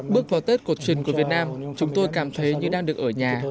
bước vào tết cổ truyền của việt nam chúng tôi cảm thấy như đang được ở nhà